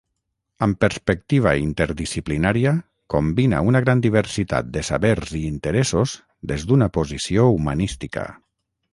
Amb perspectiva interdisciplinària, combina una gran diversitat de sabers i interessos des d'una posició humanística.